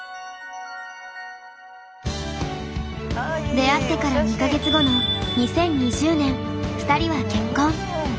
出会って２か月後の２０２０年２人は結婚。